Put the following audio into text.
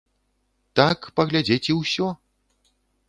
Так, паглядзець, і ўсё.